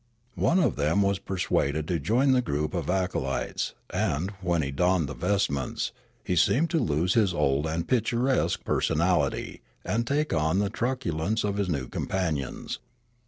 One of them was persuaded to join the group of acolytes, and, when he donned the vestments, he seemed to lose his old and picturesque personality and take on the truculence of his new companions.